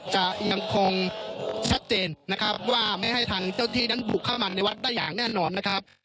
จะยังคงชัดเจนนะครับว่าไม่ให้ทางเจ้าที่นั้นบุกเข้ามาในวัดได้อย่างแน่นอนนะครับ